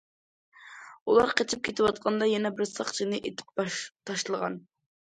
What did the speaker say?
ئۇلار قېچىپ كېتىۋاتقاندا يەنە بىر ساقچىنى ئېتىپ تاشلىغان.